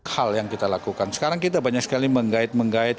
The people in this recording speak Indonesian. hal yang kita lakukan sekarang kita banyak sekali menggait menggait